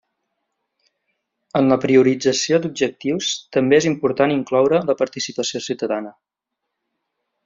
En la priorització d'objectius també és important incloure la participació ciutadana.